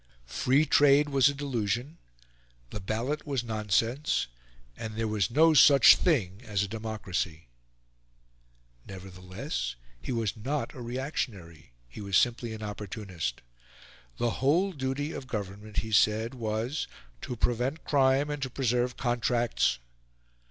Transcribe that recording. Free Trade was a delusion; the ballot was nonsense; and there was no such thing as a democracy. Nevertheless, he was not a reactionary; he was simply an opportunist. The whole duty of government, he said, was "to prevent crime and to preserve contracts."